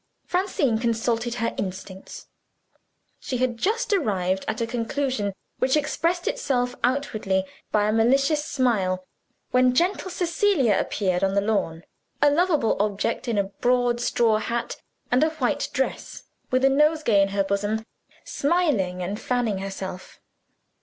Francine consulted her instincts. She had just arrived at a conclusion which expressed itself outwardly by a malicious smile, when gentle Cecilia appeared on the lawn a lovable object in a broad straw hat and a white dress, with a nosegay in her bosom smiling, and fanning herself.